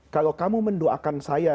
kalau kamu mendoakan saya